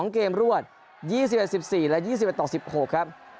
๒เกมรวด๒๘๑๔และ๒๘๑๖ครับ